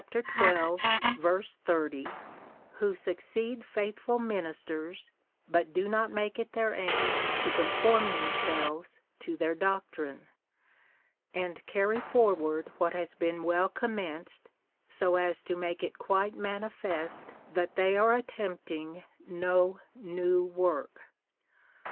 30,) who succeed faithful min isters, but do not make it their aim to conform themselves to their doctrine, and carry forward what has been well commenced, so as to make it quite manifest ^ that they are attempting no new work.